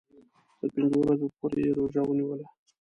تر پنځو ورځو پوري یې روژه ونیوله.